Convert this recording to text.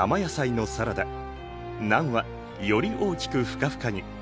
ナンはより大きくふかふかに。